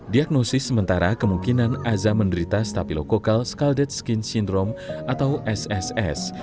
diagnosis sementara kemungkinan aza menderita stapilocokal skalded skin syndrome atau sss